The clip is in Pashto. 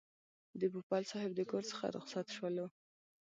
د پوپل صاحب د کور څخه رخصت شولو.